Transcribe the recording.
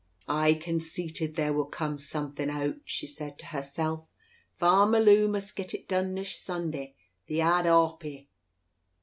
"I conceited there would come something o't", she said to herself. "Farmer Lew must git it done nesht Sunda'. The a'ad awpy!"